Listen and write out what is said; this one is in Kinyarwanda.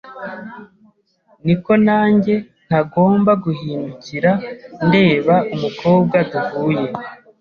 niko nange ntagomba guhindukira ndeba umukobwa duhuye